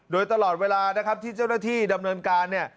โดยตลอดเวลานะครับที่เจ้าหน้าที่ดำเนินการเนี่ย